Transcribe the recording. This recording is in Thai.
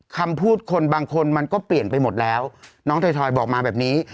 คำพูดคนบางคนมันก็เปลี่ยนไปหมดแล้วน้องถอยบอกมาแบบนี้